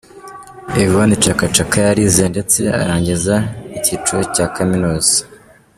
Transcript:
Yvonne Chaka Chaka yarize ndetse arangiza n’ikiciro cya kaminuza.